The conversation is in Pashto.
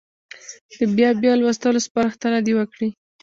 د بیا بیا لوستلو سپارښتنه دې وکړي.